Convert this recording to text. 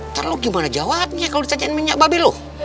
ntar lo gimana jawabnya kalau ditanyain minyak babel lo